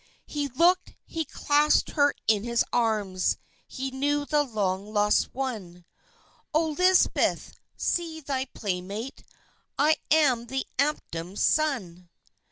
He looked; he clasped her in his arms; he knew the long lost one; "O Lisbeth! See thy playmate I am the Amptman's son!"